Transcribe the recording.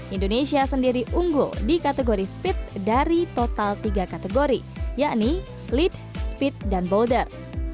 indonesia sendiri unggul di kategori speed dari total tiga kategori yakni lead speed dan boulder